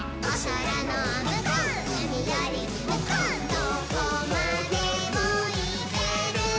「どこまでもいけるぞ！」